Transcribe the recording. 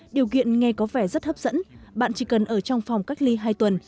điều kiện nghe có vẻ rất hấp dẫn bạn chỉ cần ở trong phòng cách ly hai tuần